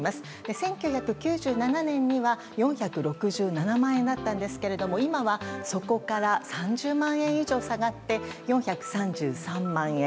１９９７年には４６７万円だったんですが今はそこから３０万円以上下がって４３３万円。